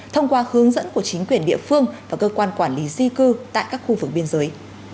thông qua hướng dẫn của chính quyền địa phương và cơ quan quản lý di cư tại các khu vực biên giới